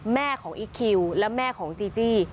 แม่ของอีคคิวและแม่ของจีจี้